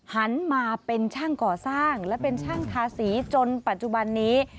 หันมาเป็นช่างก่อสร้างและเป็นช่างทาสีจนปัจจุบันนี้